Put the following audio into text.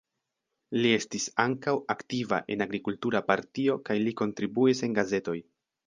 Li estis ankaŭ aktiva en agrikultura partio kaj li kontribuis en gazetoj.